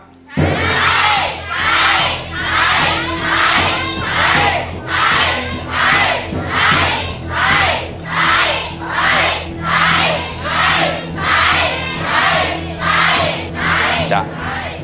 ใช้ใช้ใช้ใช้